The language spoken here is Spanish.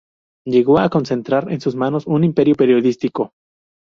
Llegó a concentrar en sus manos un imperio periodístico.